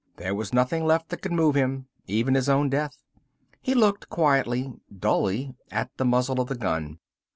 There was nothing left that could move him, even his own death. He looked quietly dully at the muzzle of the gun.